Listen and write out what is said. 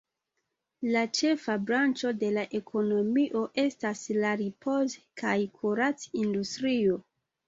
La ĉefa branĉo de la ekonomio estas la ripoz- kaj kurac-industrio.